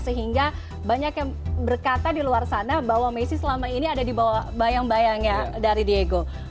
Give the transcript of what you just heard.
sehingga banyak yang berkata di luar sana bahwa messi selama ini ada di bawah bayang bayangnya dari diego